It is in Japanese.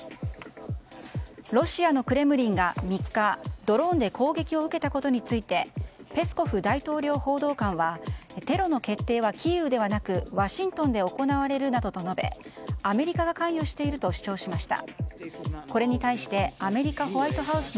ロシアのクレムリンが、３日ドローンで攻撃を受けたことについてペスコフ大統領報道官はテロの決定はキーウではなくワシントンで行われるなどと述べアメリカが関与していると主張しました。